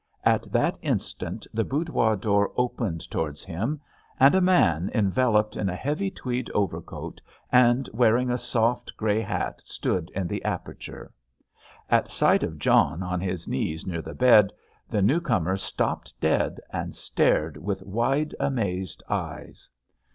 At that instant the boudoir door opened towards him, and a man enveloped in a heavy tweed overcoat and wearing a soft grey hat stood in the aperture. At sight of John on his knees near the bed, the new comer stopped dead and stared with wide amazed eyes.